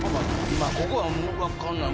ここは分かんない